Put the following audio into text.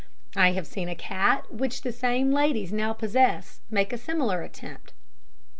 I have seen a cat which the same ladies now possess make a similar attempt.